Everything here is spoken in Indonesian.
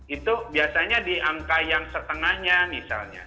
itu biasanya di angka yang setengahnya misalnya